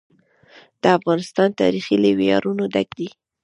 د افغانستان تاریخ له ویاړونو ډک دی.